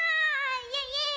イエイイエーイ！